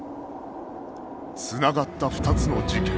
繋がった２つの事件